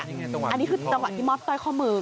อันนี้คือตระหว่างที่ออทต้อยข้อมือ